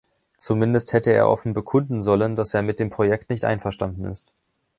Zumindest hätte er offen bekunden sollen, dass er mit dem Projekt nicht einverstanden ist.